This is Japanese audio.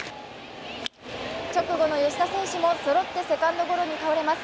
直後の吉田選手もそろってセカンドゴロに倒れます。